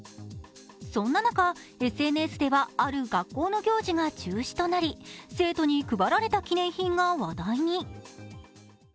そんな中ＳＮＳでは、ある学校の行事が中止となり生徒に配られた記念品が話題に。